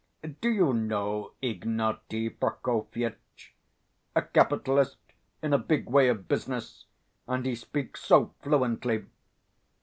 Do you know Ignaty Prokofyitch? A capitalist, in a big way of business, and he speaks so fluently.